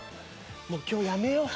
もう今日やめよう。